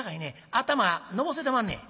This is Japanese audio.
頭のぼせてまんねや。